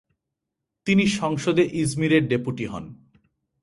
তিনি সংসদে ইজমিরের ডেপুটি হন।